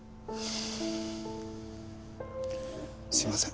すいません。